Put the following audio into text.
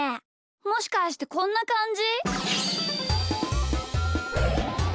もしかしてこんなかんじ？